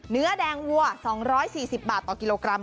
เนื้อแดงวัว๒๔๐บาทต่อกิโลกรัม